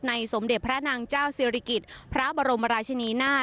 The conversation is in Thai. สมเด็จพระนางเจ้าศิริกิจพระบรมราชินีนาฏ